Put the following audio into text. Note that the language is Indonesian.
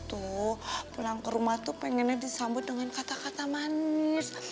tuh pulang ke rumah tuh pengennya disambut dengan kata kata manis